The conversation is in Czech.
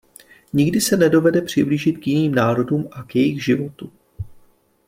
Nikdy se nedovede přiblížit k jiným národům a k jejich životu.